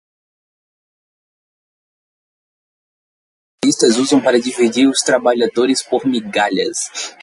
Racismo é a forma que os capitalistas usam para dividir os trabalhadores por migalhas